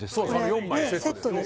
４枚セットです